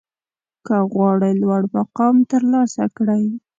که غواړئ لوړ مقام ترلاسه کړئ